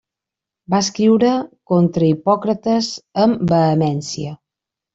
Va escriure contra Hipòcrates amb vehemència.